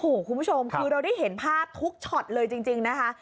โอ้โหคุณผู้ชมคือเราได้เห็นภาพทุกช็อตเลยจริงนะคะ